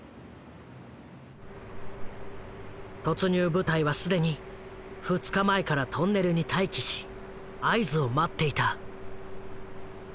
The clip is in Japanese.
突入部隊は既に２日前からトンネルに待機し合図を待っていた。